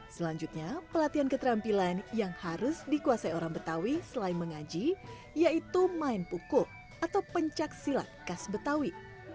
selanjutnya pelatihan keterampilan yang harus dikuasai orang betawi selain mengaji yaitu main pukul atau pencaksilat khas betawi